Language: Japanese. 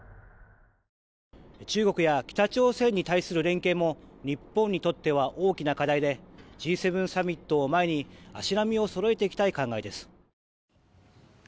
中国や北朝鮮に対する連携も日本にとっては大きな課題でＧ７サミットを前に足並みをそろえていきたい考えです。